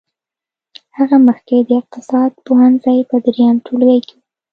هغه مخکې د اقتصاد پوهنځي په دريم ټولګي کې وه.